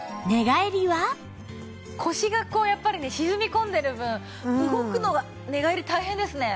腰がこうやっぱりね沈み込んでる分動くのが寝返り大変ですね。